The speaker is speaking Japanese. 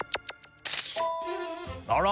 あら